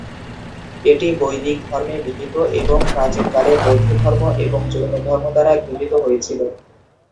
এটি বৈদিক ধর্মে নিহিত এবং প্রাচীনকালে বৌদ্ধধর্ম ও জৈনধর্ম দ্বারা গৃহীত হয়েছিল।